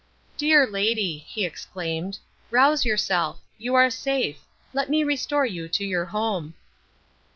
"Dear lady," he exclaimed, "rouse yourself. You are safe. Let me restore you to your home!"